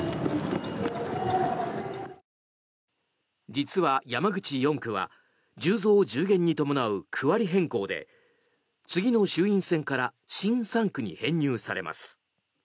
実は、山口４区は１０増１０減に伴う区割り変更で次の衆院選から新３区に編入されます。